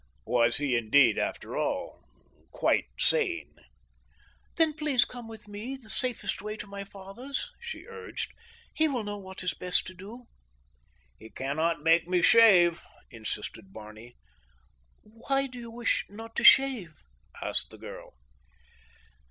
Was he indeed, after all, quite sane? "Then please come with me the safest way to my father's," she urged. "He will know what is best to do." "He cannot make me shave," insisted Barney. "Why do you wish not to shave?" asked the girl.